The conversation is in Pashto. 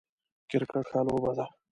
کرکټ ښه لوبه ده